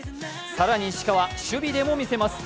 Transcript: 更に石川、守備でも見せます。